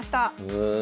へえ。